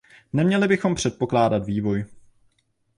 Neměli bychom předpokládat vývoj.